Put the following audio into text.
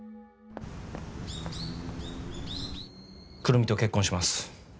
久留美と結婚します。